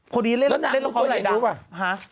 พอดีเท่านั้นเล่นละครไหนดัง